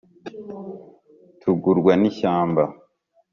tugurwa n’ishyamba